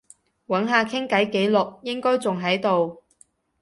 揾下傾偈記錄，應該仲喺度